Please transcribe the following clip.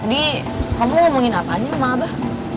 di kamu ngomongin apa aja sama abah